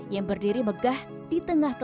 yang berdiri megah di tengah tengah